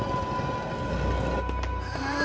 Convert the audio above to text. ああ。